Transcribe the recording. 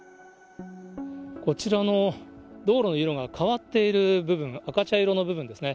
こちらの道路の色が変わっている部分、赤茶色の部分ですね。